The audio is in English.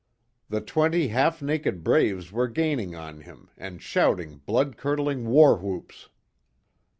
The twenty half naked braves were gaining on him, and shouting blood curdling war whoops.